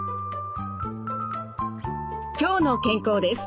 「きょうの健康」です。